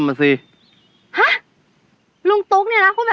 แบบนี้ก็ได้